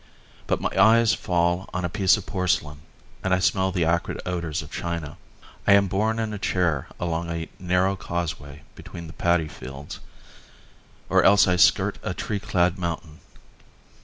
But my eyes fall on a piece of porcelain and I smell the acrid odours of China. I am borne in a chair along a narrow causeway between the padi fields, or else I skirt a tree clad mountain.